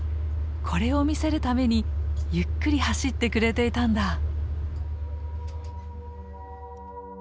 これを見せるためにゆっくり走ってくれていたんだ。